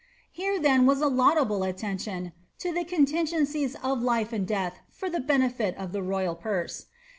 Here then was a laudable attention to the contingencies of life and death for the benefit of the royal purse.